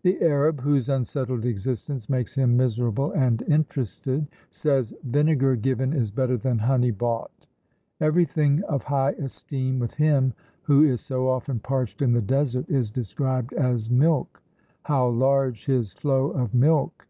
The Arab, whose unsettled existence makes him miserable and interested, says, "Vinegar given is better than honey bought." Everything of high esteem with him who is so often parched in the desert is described as milk "How large his flow of milk!"